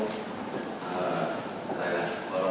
สวัสดีครับ